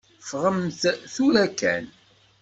Ffɣemt tura kan.